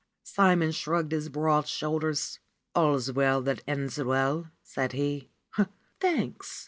Simon shrugged his broad shoulders. "AlFs well that ends well," said he. "Thanks